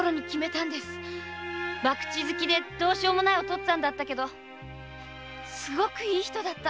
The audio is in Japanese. バクチ好きでどうしようもないお父っつぁんだったけどすごくいい人だった。